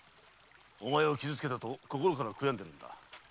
お前を傷つけたと心から悔やんでるんだ。